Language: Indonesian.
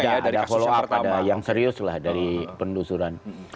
ada follow up ada yang serius lah dari penelusuran